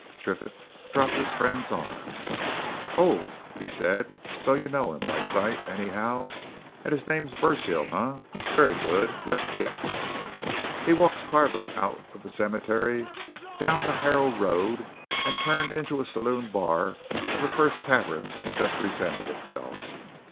Triffitt dropped his friend's arm. "Oh!" he said. "So you know him by sight, anyhow? And his name's Burchill, eh? Very good. Let's get." He walked Carver out of the cemetery, down the Harrow Road, and turned into the saloon bar of the first tavern that presented itself.